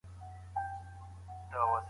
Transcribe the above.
تر راتلونکي لسيزي به هېواد بشپړ پرمختګ کړی وي.